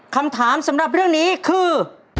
คำถามสำหรับเรื่องนี้คือ